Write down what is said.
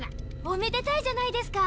おめでたいじゃないですか。